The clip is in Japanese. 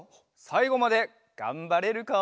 さいごまでがんばれるか？